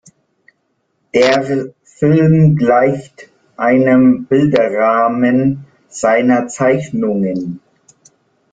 Der Film gleicht einem Bilderrahmen seiner Zeichnungen.